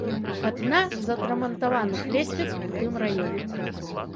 Адна з адрамантаваных лесвіц у тым раёне.